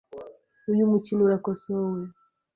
Uyu mukino urakosowe .